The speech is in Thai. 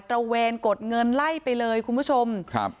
ระเวนกดเงินไล่ไปเลยคุณผู้ชมครับ